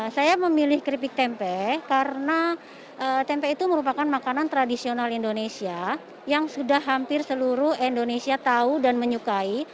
saya memilih keripik tempe karena tempe itu merupakan makanan tradisional indonesia yang sudah hampir seluruh indonesia tahu dan menyukai